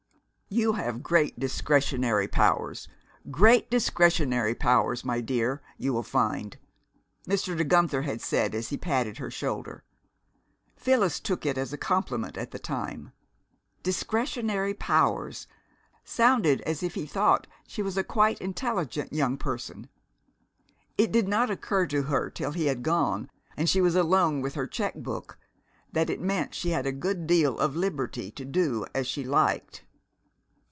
"You have great discretionary powers great discretionary powers, my dear, you will find!" Mr. De Guenther had said, as he patted her shoulder. Phyllis took it as a compliment at the time. "Discretionary powers" sounded as if he thought she was a quite intelligent young person. It did not occur to her till he had gone, and she was alone with her check book, that it meant she had a good deal of liberty to do as she liked.